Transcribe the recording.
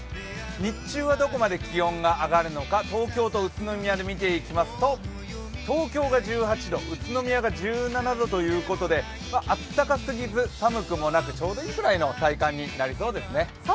日中はどこまで気温が上がるのか、東京と宇都宮で見てみますと、東京が１８度、宇都宮が１７度ということであったかすぎず、寒くもなくちょうどいいくらいの体感になりそうです。